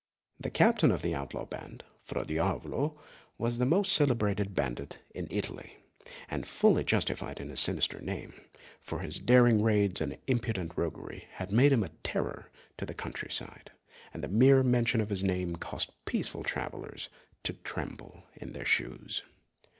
The captain of the outlaw band, Fra Diavolo, was the most celebrated bandit in Italy, and fully justified his sinister name, for his daring raids and impudent roguery had made him a terror to the country side, and the mere mention of his name caused peaceful travellers to tremble in their shoes.